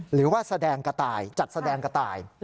หรือว่าแสดงกระต่ายจัดแสดงกระต่าย